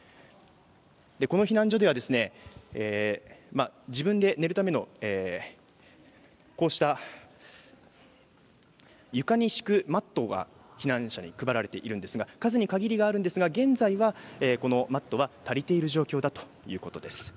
この避難所では自分で寝るためのこうした床に敷くマットが避難者に配られているんですが数に限りがあるんですが現在はこのマットは足りている状況だということです。